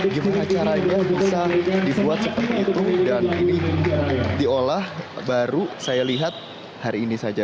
gimana caranya bisa dibuat seperti itu dan ini diolah baru saya lihat hari ini saja